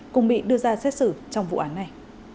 cùng bị đưa ra xét xử trong vụ án này